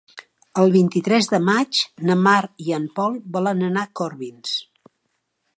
El vint-i-tres de maig na Mar i en Pol volen anar a Corbins.